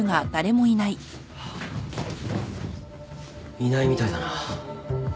いないみたいだな。